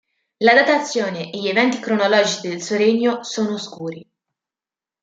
La datazione e gli eventi cronologici del suo regno sono oscuri.